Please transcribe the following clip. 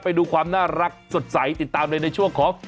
ไปดูความน่ารักสดใสติดตามเลยในช่วงของ